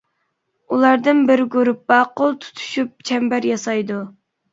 ئۇلاردىن بىر گۇرۇپپا قول تۇتۇشۇپ چەمبەر ياسايدۇ.